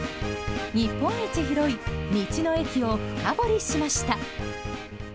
日本一広い道の駅を深掘りしました。